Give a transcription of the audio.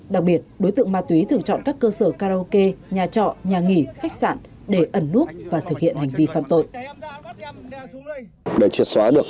đặc biệt đối tượng ma túy thường chọn các cơ sở karaoke nhà trọ nhà nghỉ khách sạn để ẩn núp và thực hiện hành vi phạm tội